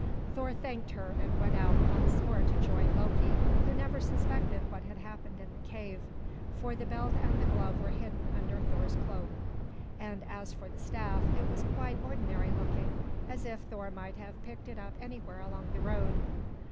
Thor thanked her and went out once more to join Loki, who never suspected what had happened in the cave. For the belt and the glove were hidden under Thor's cloak. And as for the staff, it was quite ordinary looking, as if Thor might have picked it up anywhere along the road.